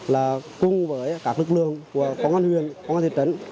là cùng với các lực lượng của công an huyện công an thị trấn